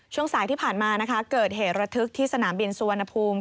ช่วงสายที่ผ่านมานะคะเกิดเหตุระทึกที่สนามบินสุวรรณภูมิ